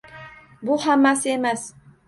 Bu hammasi emas!